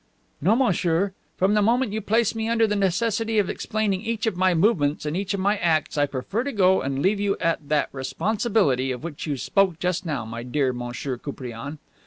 "No, monsieur. From the moment you place me under the necessity of explaining each of my movements and each of my acts, I prefer to go and leave to you that 'responsibility' of which you spoke just now, my dear Monsieur Koupriane."